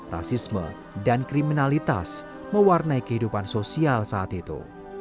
rasisme dan kriminalitas mewarnai kehidupan sosial saat itu